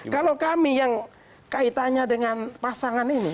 kalau kami yang kaitannya dengan pasangan ini